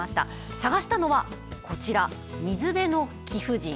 探したのは、こちら水辺の貴婦人。